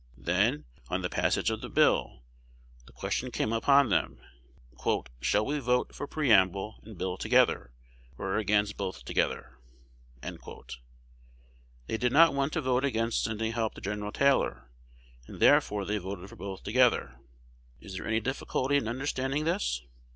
Then, on the passage of the bill, the question came upon them, "Shall we vote for preamble and bill both together, or against both together?" They did not want to vote against sending help to Gen. Taylor, and therefore they voted for both together. Is there any difficulty in understanding this?